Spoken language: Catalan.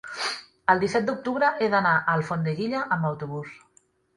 El disset d'octubre he d'anar a Alfondeguilla amb autobús.